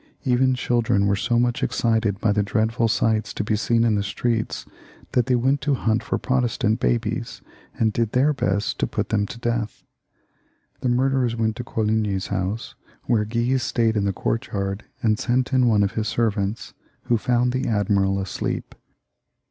Even children were so much excited by the dreadful sights to be seen in the streets, that they went to hunt for Protestant babies, and did their be^t to put them to death. The murderers went to Coligny's house, where Guise stayed in the courtyard and sent in one of his servants, who found the admiral asleep.